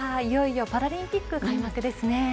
いよいよパラリンピック開幕ですね。